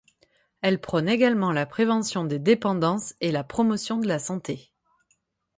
Elle prône également la prévention des dépendances et la promotion de la santé.